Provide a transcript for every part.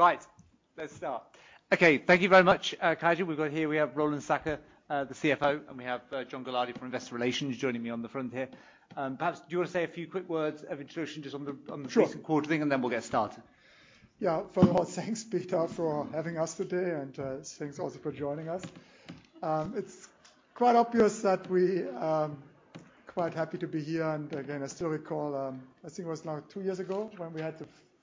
Right, let's start. Okay, thank you very much, Qiagen. We've got here, we have Roland Sackers, the CFO, and we have John Gilardi from Investor Relations joining me on the front here. Perhaps do you want to say a few quick words of introduction just on the recent quarter thing, and then we'll get started? Yeah, first of all, thanks, Peter, for having us today, and thanks also for joining us. It's quite obvious that we are quite happy to be here. Again, I still recall, I think it was now two years ago when we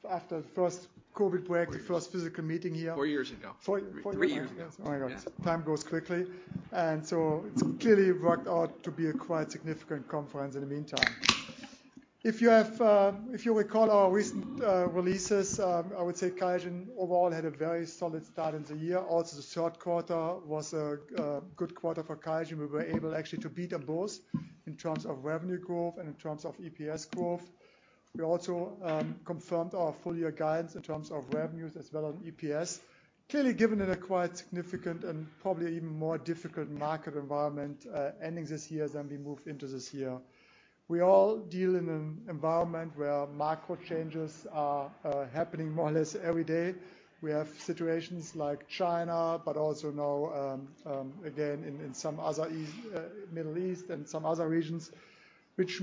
had, after the first COVID break, the first physical meeting here. Four years ago. Four years. Three years ago. Yes. Oh my God, time goes quickly, and so it's clearly worked out to be a quite significant conference in the meantime. If you recall our recent releases, I would say Qiagen overall had a very solid start in the year. Also, the third quarter was a good quarter for Qiagen. We were able actually to beat them both in terms of revenue growth and in terms of EPS growth. We also confirmed our full-year guidance in terms of revenues as well as EPS, clearly given in a quite significant and probably even more difficult market environment ending this year than we moved into this year. We all deal in an environment where macro changes are happening more or less every day. We have situations like China, but also now again in some other Middle East and some other regions, which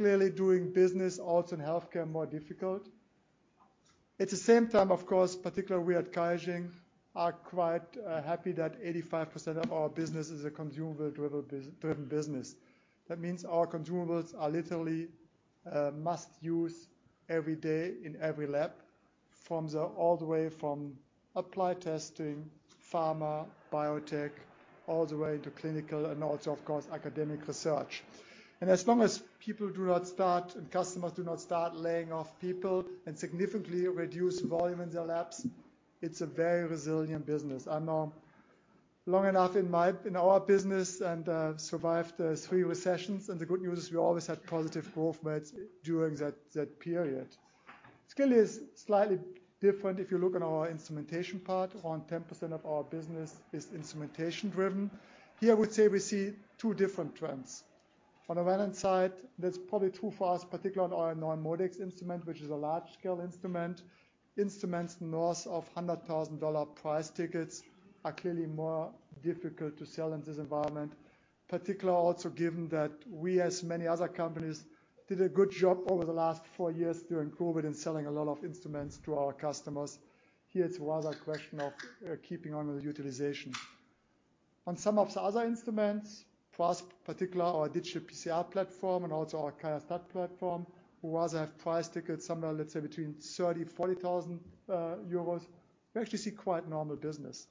makes clearly doing business, also in healthcare, more difficult. At the same time, of course, particularly we at Qiagen are quite happy that 85% of our business is a consumer-driven business. That means our consumables are literally must-use every day in every lab, all the way from applied testing, pharma, biotech, all the way into clinical, and also, of course, academic research. And as long as people do not start, and customers do not start laying off people and significantly reduce volume in their labs, it's a very resilient business. I'm now long enough in our business and survived three recessions. And the good news is we always had positive growth rates during that period. It's clearly slightly different if you look on our instrumentation part. Around 10% of our business is instrumentation-driven. Here, I would say we see two different trends. On the one hand side, that's probably true for us, particularly on our NeuMoDx instrument, which is a large-scale instrument. Instruments north of $100,000 price tickets are clearly more difficult to sell in this environment, particularly also given that we, as many other companies, did a good job over the last four years during COVID in selling a lot of instruments to our customers. Here, it's rather a question of keeping on with the utilization. On some of the other instruments, particularly our digital PCR platform and also our QIAstat-Dx platform, who rather have price tickets somewhere, let's say, between 30,000 euros and 40,000 euros, we actually see quite normal business.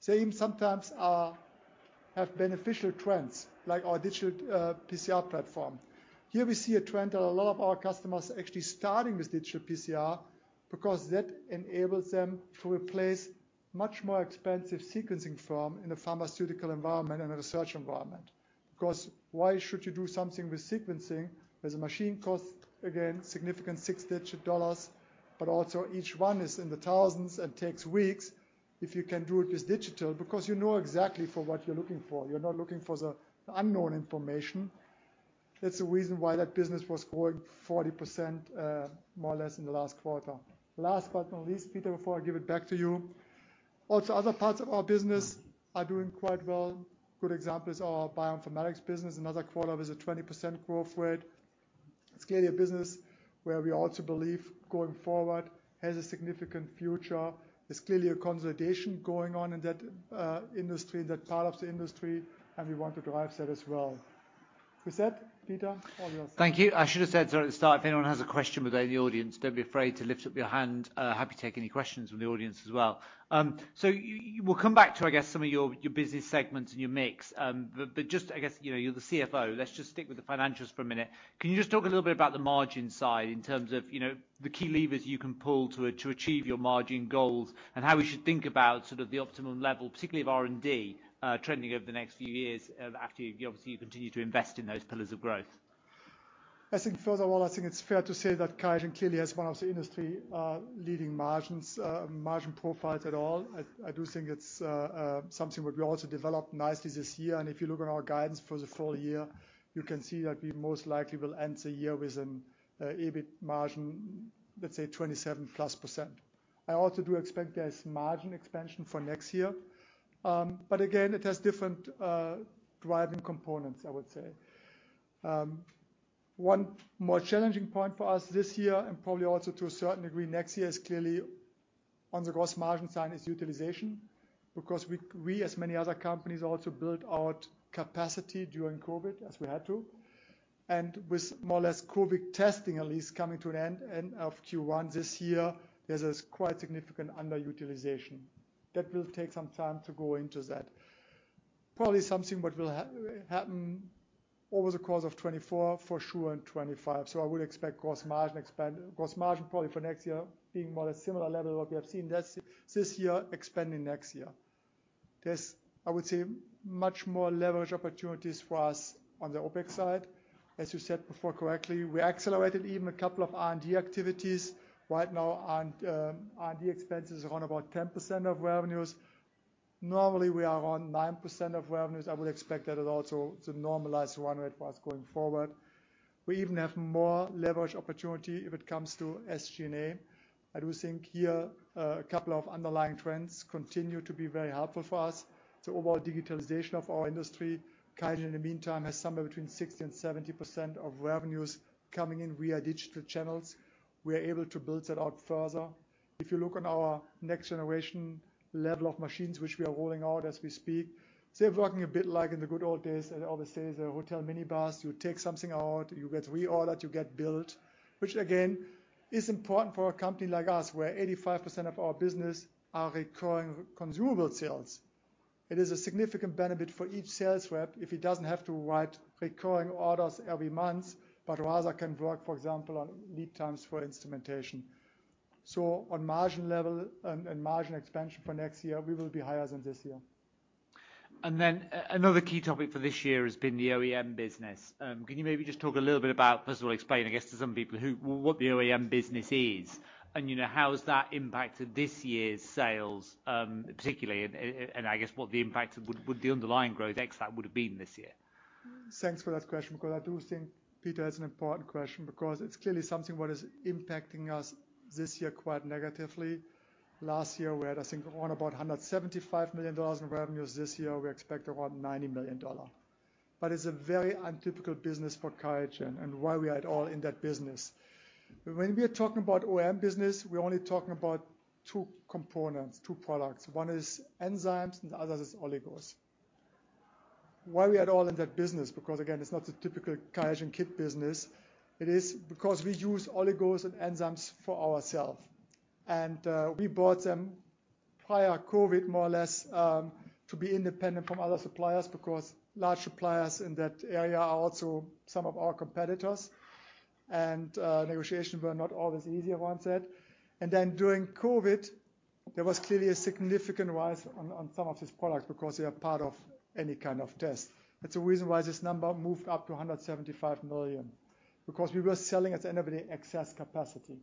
Some sometimes have beneficial trends, like our digital PCR platform. Here we see a trend that a lot of our customers are actually starting with digital PCR because that enables them to replace much more expensive sequencing firms in the pharmaceutical environment and research environment. Because why should you do something with sequencing? There's a machine cost, again, significant six-digit dollars, but also each one is in the thousands and takes weeks if you can do it with digital because you know exactly for what you're looking for. You're not looking for the unknown information. That's the reason why that business was growing 40% more or less in the last quarter. Last but not least, Peter, before I give it back to you, also other parts of our business are doing quite well. Good example is our bioinformatics business. Another quarter was a 20% growth rate. It's clearly a business where we also believe going forward has a significant future. There's clearly a consolidation going on in that industry, in that part of the industry, and we want to drive that as well. Is that, Peter, all your thoughts? Thank you. I should have said at the start, if anyone has a question within the audience, don't be afraid to lift up your hand. Happy to take any questions from the audience as well. So we'll come back to, I guess, some of your business segments and your mix. But just, I guess, you're the CFO. Let's just stick with the financials for a minute. Can you just talk a little bit about the margin side in terms of the key levers you can pull to achieve your margin goals and how we should think about sort of the optimum level, particularly of R&D trending over the next few years after you obviously continue to invest in those pillars of growth? I think first of all, I think it's fair to say that Qiagen clearly has one of the industry leading margin profiles at all. I do think it's something we also developed nicely this year. And if you look on our guidance for the full year, you can see that we most likely will end the year with an EBIT margin, let's say, 27% plus. I also do expect there's margin expansion for next year. But again, it has different driving components, I would say. One more challenging point for us this year, and probably also to a certain degree next year is clearly on the gross margin side is utilization because we, as many other companies, also built out capacity during COVID as we had to. And with more or less COVID testing at least coming to an end of Q1 this year, there's quite significant underutilization. That will take some time to go into that. Probably something that will happen over the course of 2024 for sure in 2025. So I would expect gross margin expanding. Gross margin probably for next year being more or less similar level to what we have seen this year expanding next year. There's, I would say, much more leverage opportunities for us on the OpEx side. As you said before correctly, we accelerated even a couple of R&D activities. Right now, R&D expenses are on about 10% of revenues. Normally, we are on 9% of revenues. I would expect that is also the normalized run rate for us going forward. We even have more leverage opportunity if it comes to SG&A. I do think here a couple of underlying trends continue to be very helpful for us. So overall digitalization of our industry, Qiagen in the meantime has somewhere between 60% and 70% of revenues coming in via digital channels. We are able to build that out further. If you look on our next generation level of machines which we are rolling out as we speak, they're working a bit like in the good old days that I always say, the hotel minibar. You take something out, you get reordered, you get built, which again is important for a company like us where 85% of our business are recurring consumable sales. It is a significant benefit for each sales rep if he doesn't have to write recurring orders every month, but rather can work, for example, on lead times for instrumentation. So on margin level and margin expansion for next year, we will be higher than this year. And then another key topic for this year has been the OEM business. Can you maybe just talk a little bit about, first of all, explain I guess to some people what the OEM business is and how has that impacted this year's sales particularly, and I guess what the impact would the underlying growth ex that would have been this year? Thanks for that question because I do think Peter has an important question because it's clearly something what is impacting us this year quite negatively. Last year, we had, I think, around about $175 million in revenues. This year, we expect around $90 million. But it's a very untypical business for Qiagen and why we are at all in that business. When we are talking about OEM business, we're only talking about two components, two products. One is enzymes and the other is oligos. Why we are at all in that business? Because again, it's not the typical Qiagen kit business. It is because we use oligos and enzymes for ourselves. And we bought them prior COVID more or less to be independent from other suppliers because large suppliers in that area are also some of our competitors. And negotiations were not always easy, I want to say. And then during COVID, there was clearly a significant rise on some of these products because they are part of any kind of test. That's the reason why this number moved up to $175 million because we were selling at the end of the excess capacity.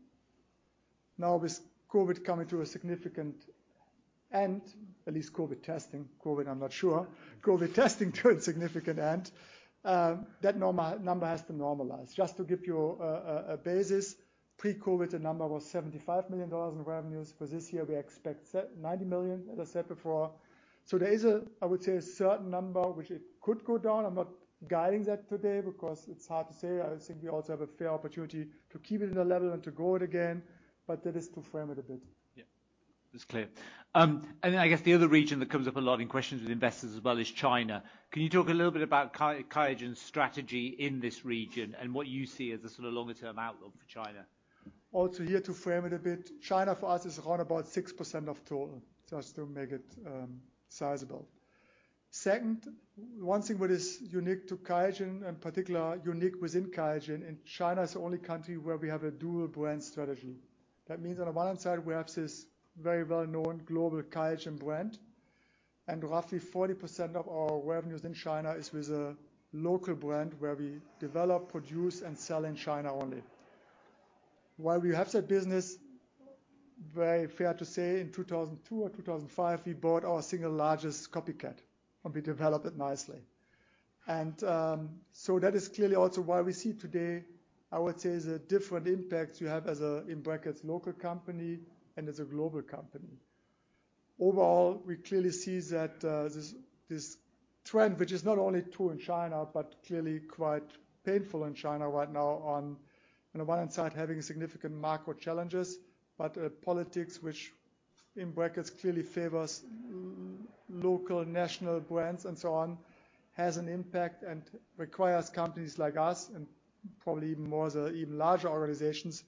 Now with COVID coming to a significant end, at least COVID testing, COVID, I'm not sure, COVID testing to a significant end, that number has to normalize. Just to give you a basis, pre-COVID, the number was $75 million in revenues. For this year, we expect $90 million, as I said before. So there is a, I would say, a certain number which it could go down. I'm not guiding that today because it's hard to say. I think we also have a fair opportunity to keep it in a level and to grow it again, but that is to frame it a bit. Yeah, that's clear, and I guess the other region that comes up a lot in questions with investors as well is China. Can you talk a little bit about Qiagen's strategy in this region and what you see as a sort of longer-term outlook for China? Also, here to frame it a bit, China for us is around about 6% of total, just to make it sizable. Second, one thing that is unique to QIAGEN and particularly unique within QIAGEN, and China is the only country where we have a dual brand strategy. That means on the one hand side, we have this very well-known global QIAGEN brand, and roughly 40% of our revenues in China is with a local brand where we develop, produce, and sell in China only. While we have that business, very fair to say, in 2002 or 2005, we bought our single largest copycat, and we developed it nicely. And so that is clearly also why we see today, I would say, the different impacts you have as a, in brackets, local company and as a global company. Overall, we clearly see that this trend, which is not only true in China, but clearly quite painful in China right now, on the one hand side, having significant macro challenges, but politics, which in brackets clearly favors local national brands and so on, has an impact and requires companies like us and probably even more as even larger organizations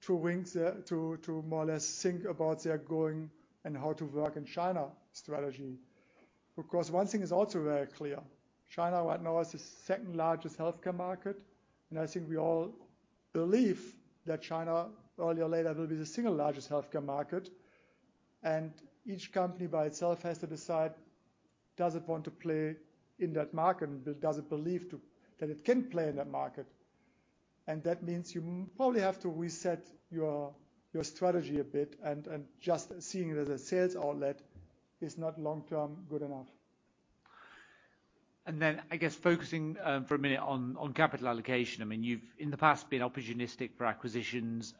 to think, to more or less think about their going and how to work in China strategy. Because one thing is also very clear. China right now is the second largest healthcare market, and I think we all believe that China sooner or later will be the single largest healthcare market, and each company by itself has to decide, does it want to play in that market, and does it believe that it can play in that market? That means you probably have to reset your strategy a bit, and just seeing it as a sales outlet is not long-term good enough. I guess focusing for a minute on capital allocation. I mean, you've in the past been opportunistic for acquisitions.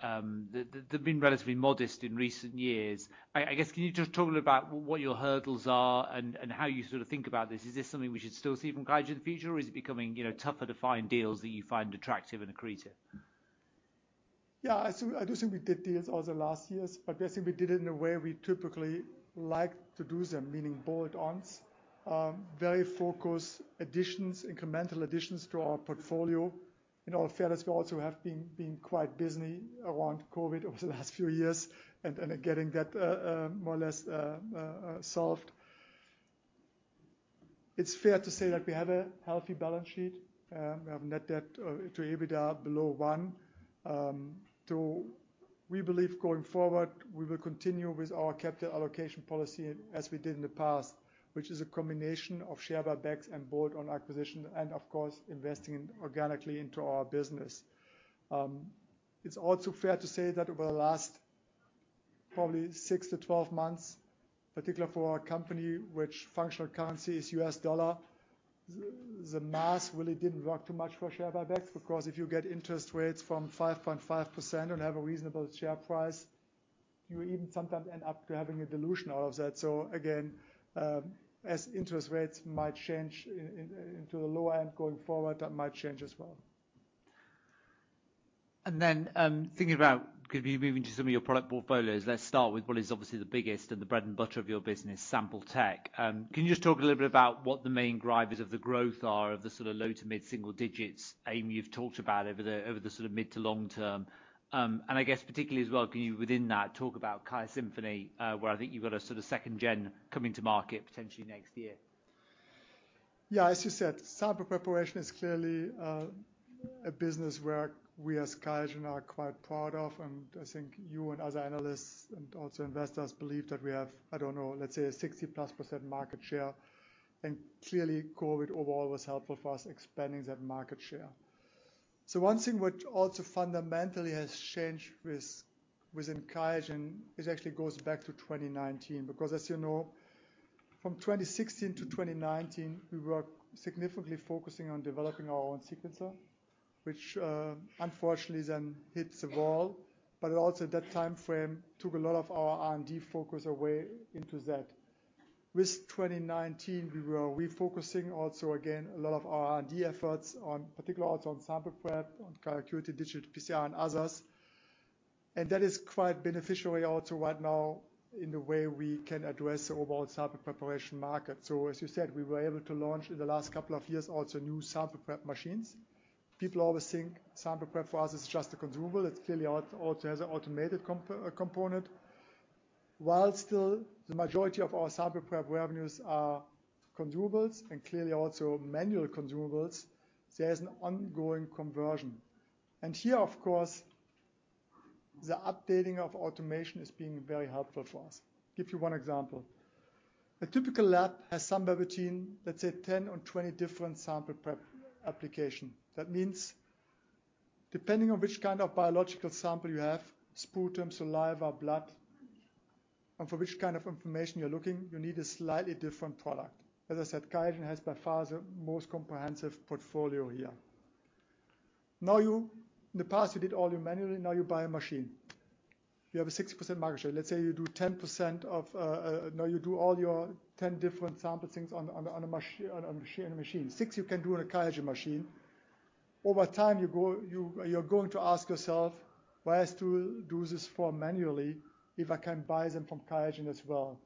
They've been relatively modest in recent years. I guess can you just talk a little about what your hurdles are and how you sort of think about this? Is this something we should still see from Qiagen in the future, or is it becoming tougher to find deals that you find attractive and accretive? Yeah, I do think we did deals over the last years, but I think we did it in a way we typically like to do them, meaning bolt-ons, very focused additions, incremental additions to our portfolio. In all fairness, we also have been quite busy around COVID over the last few years and getting that more or less solved. It's fair to say that we have a healthy balance sheet. We have net debt to EBITDA below one. So we believe going forward, we will continue with our capital allocation policy as we did in the past, which is a combination of share buybacks and bolt-on acquisition and, of course, investing organically into our business. It's also fair to say that over the last probably 6 to 12 months, particularly for our company, which functional currency is U.S. dollar, the math really didn't work too much for share buybacks because if you get interest rates from 5.5% and have a reasonable share price, you even sometimes end up having a dilution out of that. So again, as interest rates might change into the lower end going forward, that might change as well. And then thinking about moving to some of your product portfolios, let's start with what is obviously the biggest and the bread and butter of your business, Sample Tech. Can you just talk a little bit about what the main drivers of the growth are of the sort of low to mid single digits aim you've talked about over the sort of mid to long term? And I guess particularly as well, can you within that talk about QIAsymphony, where I think you've got a sort of second gen coming to market potentially next year? Yeah, as you said, Sample preparation is clearly a business where we as Qiagen are quite proud of. And I think you and other analysts and also investors believe that we have, I don't know, let's say a 60+% market share. And clearly, COVID overall was helpful for us expanding that market share. So one thing which also fundamentally has changed within Qiagen actually goes back to 2019 because, as you know, from 2016 to 2019, we were significantly focusing on developing our own sequencer, which unfortunately then hit the wall, but also that timeframe took a lot of our R&D focus away into that. In 2019, we were refocusing also again a lot of our R&D efforts, particularly also on Sample Prep, on Qiagen Digital PCR, and others. And that is quite beneficial also right now in the way we can address the overall sample preparation market. So as you said, we were able to launch in the last couple of years also new sample prep machines. People always think sample prep for us is just a consumable. It clearly also has an automated component. While still the majority of our sample prep revenues are consumables and clearly also manual consumables, there is an ongoing conversion. And here, of course, the updating of automation is being very helpful for us. Give you one example. A typical lab has somewhere between, let's say, 10 or 20 different sample prep applications. That means depending on which kind of biological sample you have, sputum, saliva, blood, and for which kind of information you're looking, you need a slightly different product. As I said, Qiagen has by far the most comprehensive portfolio here. Now, in the past, you did all your manually. Now you buy a machine. You have a 60% market share. Let's say you do 10% of, now you do all your 10 different sample things on a machine. 60% you can do on a Qiagen machine. Over time, you're going to ask yourself, "Why I still do this manually if I can buy them from Qiagen as well?"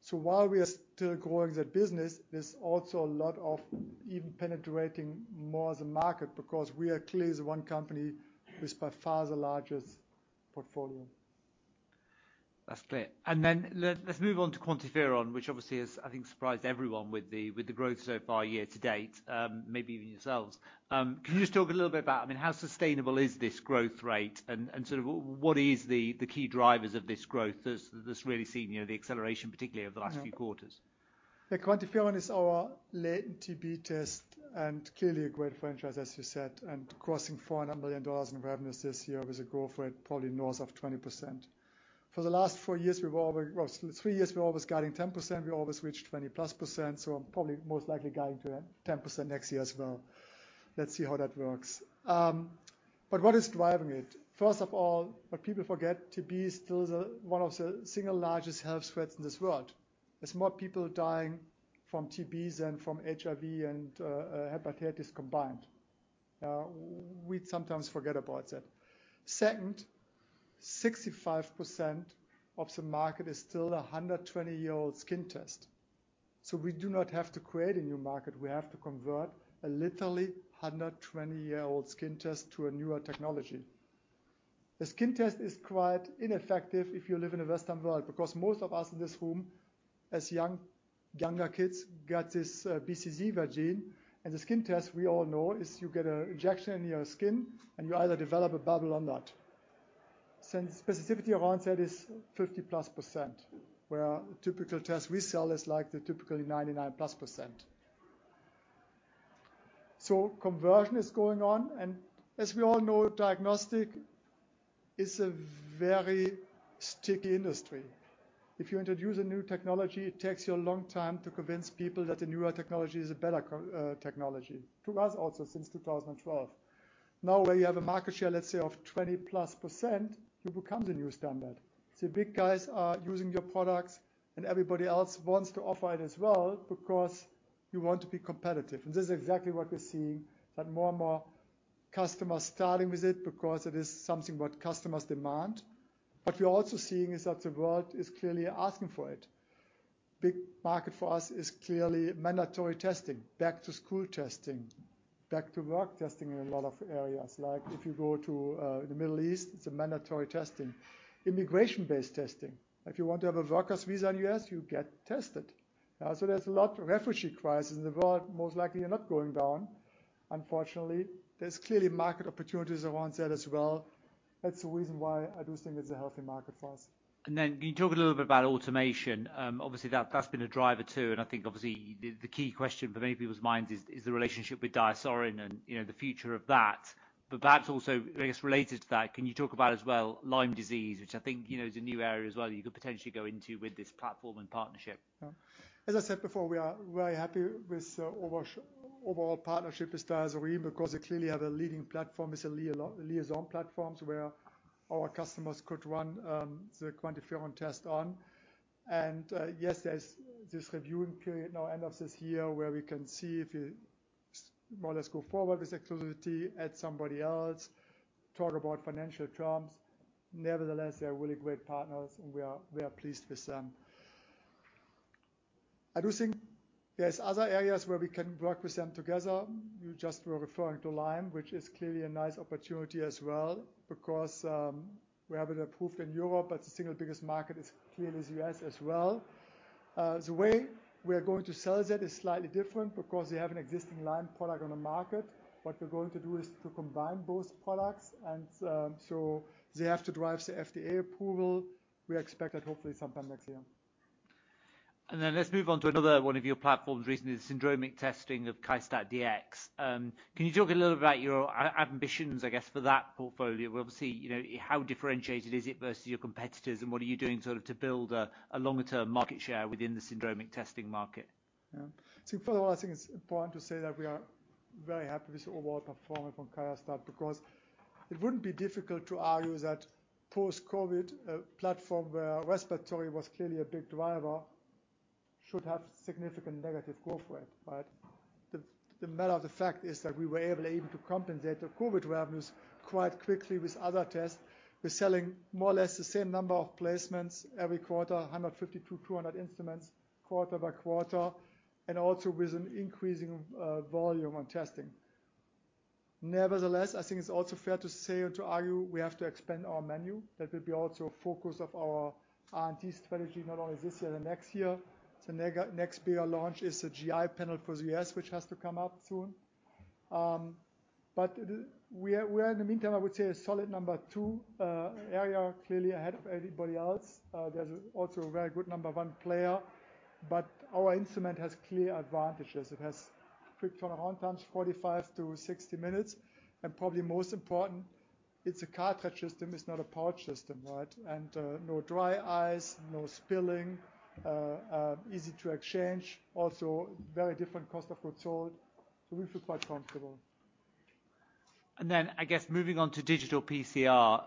So while we are still growing that business, there's also a lot of even penetrating more of the market because we are clearly the one company with by far the largest portfolio. That's clear, and then let's move on to QuantiFERON, which obviously has, I think, surprised everyone with the growth so far year to date, maybe even yourselves. Can you just talk a little bit about, I mean, how sustainable is this growth rate and sort of what are the key drivers of this growth that's really seen the acceleration, particularly over the last few quarters? Yeah, QuantiFERON is our latent TB test and clearly a great franchise, as you said, and crossing $400 million in revenues this year with a growth rate probably north of 20%. For the last four years, we were always guiding 10%. We always reached 20% plus. So I'm probably most likely guiding to 10% next year as well. Let's see how that works. But what is driving it? First of all, what people forget, TB is still one of the single largest health threats in this world. There's more people dying from TB than from HIV and hepatitis combined. We sometimes forget about that. Second, 65% of the market is still a 120-year-old skin test. So we do not have to create a new market. We have to convert a literally 120-year-old skin test to a newer technology. The skin test is quite ineffective if you live in a Western world because most of us in this room, as younger kids, got this BCG vaccine. And the skin test, we all know, is you get an injection in your skin and you either develop a bubble or not. Specificity around that is 50 plus %, where typical test we sell is like the typical 99 plus %. So conversion is going on. And as we all know, diagnostic is a very sticky industry. If you introduce a new technology, it takes you a long time to convince people that the newer technology is a better technology. To us also, since 2012. Now, where you have a market share, let's say, of 20 plus %, it becomes a new standard. So, big guys are using your products, and everybody else wants to offer it as well because you want to be competitive. And this is exactly what we're seeing, that more and more customers starting with it because it is something what customers demand. But we are also seeing is that the world is clearly asking for it. Big market for us is clearly mandatory testing, back to school testing, back to work testing in a lot of areas. Like if you go to the Middle East, it's a mandatory testing. Immigration-based testing. If you want to have a worker's visa in the U.S., you get tested. So there's a lot of refugee crisis in the world. Most likely, you're not going down. Unfortunately, there's clearly market opportunities around that as well. That's the reason why I do think it's a healthy market for us. And then can you talk a little bit about automation? Obviously, that's been a driver too. And I think obviously the key question for many people's minds is the relationship with DiaSorin and the future of that. But perhaps also, I guess related to that, can you talk about as well Lyme disease, which I think is a new area as well that you could potentially go into with this platform and partnership? As I said before, we are very happy with our overall partnership with DiaSorin because we clearly have a leading platform, is a Liaison platform, where our customers could run the QuantiFERON test on. And yes, there's this reviewing period now end of this year where we can see if we more or less go forward with exclusivity, add somebody else, talk about financial terms. Nevertheless, they're really great partners, and we are pleased with them. I do think there's other areas where we can work with them together. You just were referring to Lyme, which is clearly a nice opportunity as well because we have it approved in Europe, but the single biggest market is clearly the U.S. as well. The way we are going to sell that is slightly different because we have an existing Lyme product on the market. What we're going to do is to combine both products. And so they have to drive the FDA approval. We expect that hopefully sometime next year. And then let's move on to another one of your platforms recently, the syndromic testing of QIAstat-Dx. Can you talk a little about your ambitions, I guess, for that portfolio? Obviously, how differentiated is it versus your competitors, and what are you doing sort of to build a longer-term market share within the syndromic testing market? Yeah, so first of all, I think it's important to say that we are very happy with the overall performance from QIAstat because it wouldn't be difficult to argue that post-COVID, a platform where respiratory was clearly a big driver should have significant negative growth rate, right? The fact of the matter is that we were able to compensate the COVID revenues quite quickly with other tests. We're selling more or less the same number of placements every quarter, 150 to 200 instruments quarter by quarter, and also with an increasing volume on testing. Nevertheless, I think it's also fair to say and to argue we have to expand our menu. That will be also a focus of our R&D strategy, not only this year and next year. The next bigger launch is the GI panel for the U.S., which has to come up soon. But we are, in the meantime, I would say a solid number two area, clearly ahead of anybody else. There's also a very good number one player, but our instrument has clear advantages. It has quick turnaround times, 45-60 minutes. And probably most important, it's a cartridge system, it's not a pouch system, right? And no dry ice, no spilling, easy to exchange, also very different cost control. So we feel quite comfortable. I guess moving on to Digital PCR,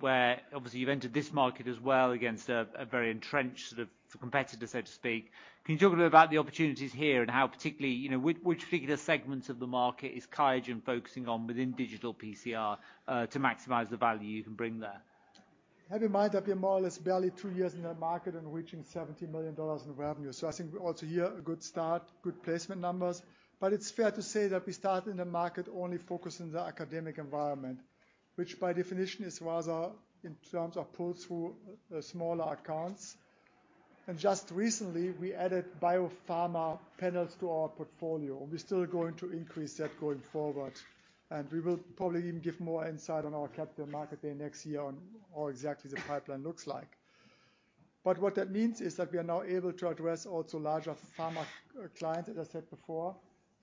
where obviously you've entered this market as well against a very entrenched sort of competitor, so to speak. Can you talk a little about the opportunities here and how particularly which particular segments of the market is Qiagen focusing on within Digital PCR to maximize the value you can bring there? Having in mind that we are more or less barely two years in the market and reaching $70 million in revenue. So I think we also have a good start, good placement numbers. But it's fair to say that we started in the market only focusing on the academic environment, which by definition is rather in terms of pull-through smaller accounts. And just recently, we added biopharma panels to our portfolio. We're still going to increase that going forward. And we will probably even give more insight on our capital market day next year on how exactly the pipeline looks like. But what that means is that we are now able to address also larger pharma clients, as I said before,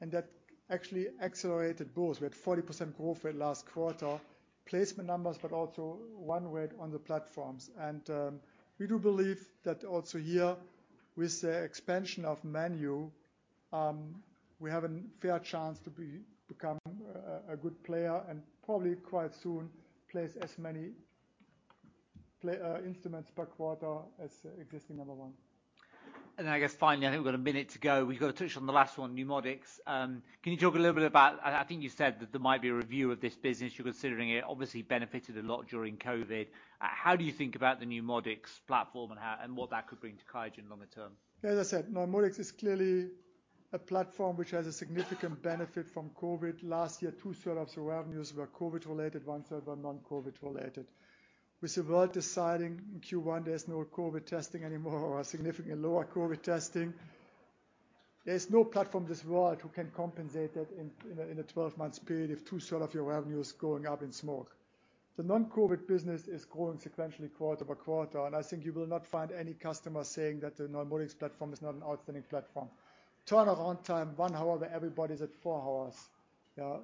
and that actually accelerated both. We had 40% growth rate last quarter, placement numbers, but also run rate on the platforms. We do believe that also here with the expansion of menu, we have a fair chance to become a good player and probably quite soon place as many instruments per quarter as existing number one. I guess finally, I think we've got a minute to go. We've got a touch on the last one, NeuMoDx. Can you talk a little bit about, I think you said that there might be a review of this business you're considering? It obviously benefited a lot during COVID. How do you think about the NeuMoDx platform and what that could bring to Qiagen longer term? Yeah, as I said, NeuMoDx is clearly a platform which has a significant benefit from COVID. Last year, two-thirds of the revenues were COVID-related, one-third were non-COVID-related. With the world deciding in Q1, there's no COVID testing anymore or significantly lower COVID testing. There's no platform in this world who can compensate that in a 12-month period if two-thirds of your revenue is going up in smoke. The non-COVID business is growing sequentially quarter by quarter. And I think you will not find any customer saying that the NeuMoDx platform is not an outstanding platform. Turnaround time, one hour where everybody's at four hours.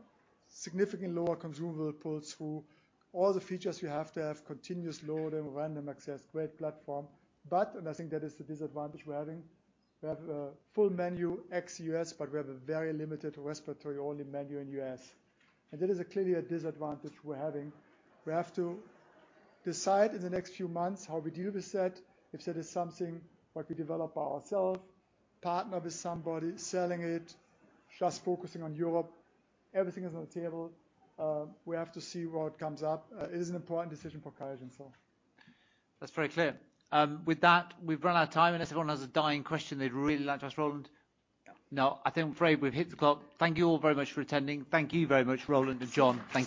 Significantly lower consumable pull-through. All the features you have to have continuous loading, random access, great platform. But, and I think that is the disadvantage we're having, we have a full menu ex U.S., but we have a very limited respiratory-only menu in U.S. That is clearly a disadvantage we're having. We have to decide in the next few months how we deal with that. If that is something what we develop ourselves, partner with somebody selling it, just focusing on Europe. Everything is on the table. We have to see what comes up. It is an important decision for Qiagen, so. That's very clear. With that, we've run out of time. Unless everyone has a burning question they'd really like to ask Roland. No, I think I'm afraid we've hit the clock. Thank you all very much for attending. Thank you very much, Roland and John. Thank you.